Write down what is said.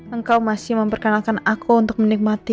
engkau masih memperkenalkan aku untuk menikmati